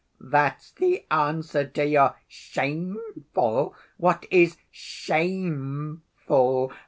"That's the answer to your 'shameful!' What is shameful?